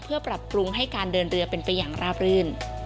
เพื่อปรับปรุงให้การเดินเรือเป็นไปอย่างราบรื่น